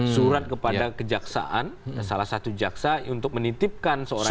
surat kepada kejaksaan salah satu jaksa untuk menitipkan seorang